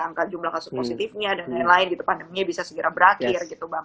angka jumlah kasus positifnya dan lain lain gitu pandeminya bisa segera berakhir gitu bang